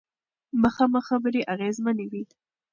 مخامخ خبرې اغیزمنې وي.